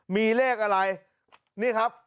มีเลขอะไรนี่ครับ